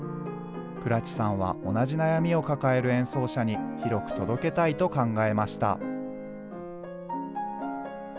倉知さんは同じ悩みを抱える演奏者に広く届けたいと考えました。